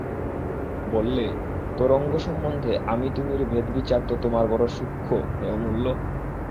বললে, তোরঙ্গ সম্বন্ধে আমি-তুমির ভেদবিচার তো তোমার বড়ো সূক্ষ্ম হে অমূল্য!